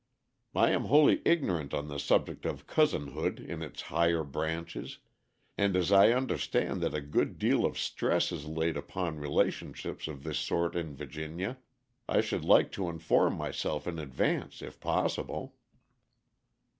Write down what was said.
I am wholly ignorant on the subject of cousinhood in its higher branches, and as I understand that a good deal of stress is laid upon relationships of this sort in Virginia, I should like to inform myself in advance if possible."